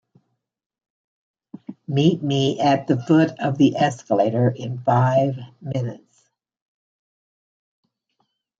Meet me at the foot of the escalator in five minutes.